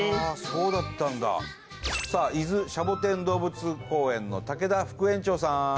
そうだったんださあ伊豆シャボテン動物公園の竹田副園長さーん